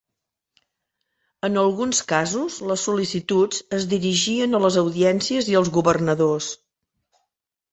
En alguns casos les sol·licituds es dirigien a les audiències i als Governadors.